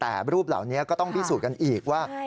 แต่รูปเหล่านี้ก็ต้องพิสูจน์กันอีกว่า